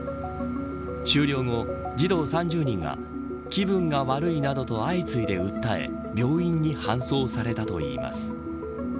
終了後、児童３０人が気分が悪いなどと、相次いで訴え病院に搬送されたといいます。